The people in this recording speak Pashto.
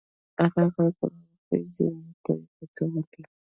هغه غلط راوخېژي نو ته به څه وکې.